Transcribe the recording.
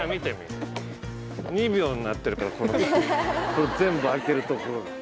これ全部あけるところ。